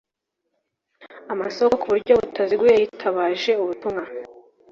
amasoko ku buryo butaziguye yitabaje ubutumwa